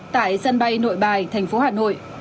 tại sân bay nội bài thành phố hà nội